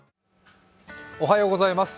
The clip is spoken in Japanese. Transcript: おはようございます。